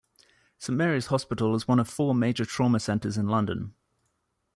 Saint Mary's Hospital is one of four major trauma centres in London.